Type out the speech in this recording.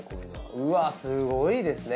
うわっすごいですね。